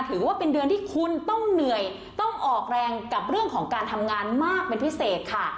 ถือว่าเป็นเดือนที่คุณต้องเหนื่อยต้องออกแรงกับเรื่องของการทำงานมากเป็นพิเศษค่ะ